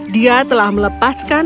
dia telah melepaskan peningkatan